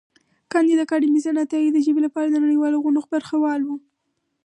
کانديد اکاډميسن عطايي د ژبې لپاره د نړیوالو غونډو برخه وال و.